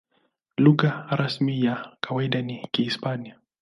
Lugha rasmi na ya kawaida ni Kihispania.